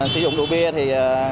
sử dụng đồ bia thì